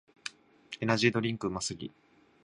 エナジードリンクうますぎ